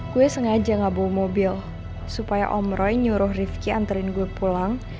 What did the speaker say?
gue sengaja gak bawa mobil supaya om roy nyuruh rifki anterin gue pulang